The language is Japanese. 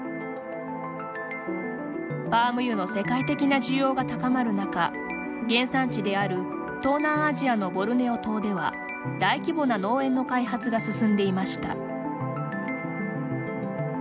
パーム油の世界的な需要が高まる中原産地である東南アジアのボルネオ島では大規模な農園の開発が進んでいました。